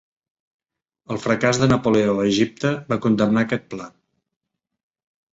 El fracàs de Napoleó a Egipte va condemnar aquest pla.